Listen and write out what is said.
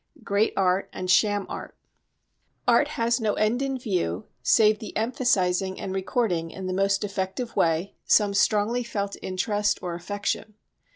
Great Art and Sham Art Art has no end in view save the emphasising and recording in the most effective way some strongly felt interest or affection.